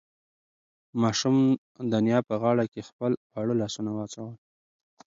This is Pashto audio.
ماشوم د نیا په غاړه کې خپل واړه لاسونه واچول.